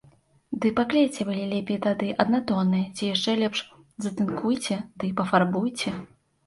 Ды паклейце вы лепей тады аднатонныя, ці яшчэ лепш, затынкуйце ды пафарбуйце!